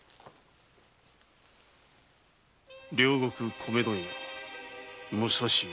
両国米問屋武蔵屋。